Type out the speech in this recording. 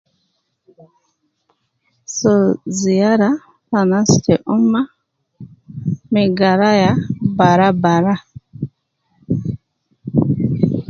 So ziyara na anas ta umma, ma garaya bara bara.